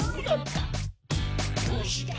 「どうして？